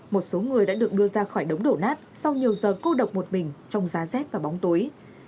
một số người đã được đưa ra khỏi đống đổ nát sau nhiều giờ cô độc một mình trong giá rét và bóng tối